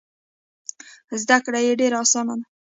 زده کړه یې ډېره اسانه ده.